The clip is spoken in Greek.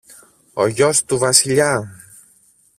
Ο γιος του Βασιλιά!